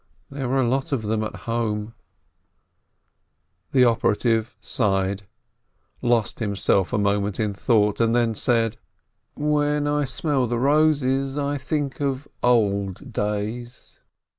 There were a lot of them at home !" The operative sighed, lost himself a moment in thought, and then said: "When I smell the roses, I think of old days.